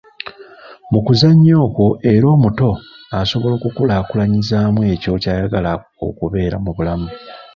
Mu kuzannya okwo era omuto asobola okukulaakulanyizaamu ekyo ky’ayagala okubeera mu bulamu.